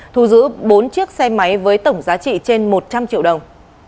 thu giữ bốn chiếc xe máy với tổng giá trị trên một trăm linh triệu đồng